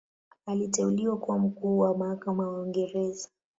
Aliteuliwa kuwa Mkuu wa Mahakama wa Uingereza.